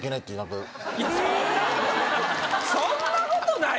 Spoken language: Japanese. いやそんなことない。